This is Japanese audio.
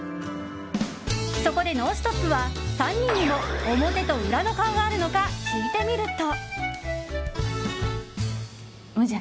そこで、「ノンストップ！」は３人にも、表と裏の顔があるのか聞いてみると。